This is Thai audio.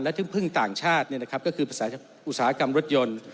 ที่พึ่งต่างชาติก็คือภาษาอุตสาหกรรมรถยนต์